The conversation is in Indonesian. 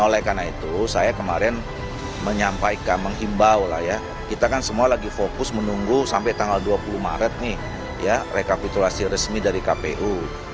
oleh karena itu saya kemarin menyampaikan menghimbau lah ya kita kan semua lagi fokus menunggu sampai tanggal dua puluh maret nih ya rekapitulasi resmi dari kpu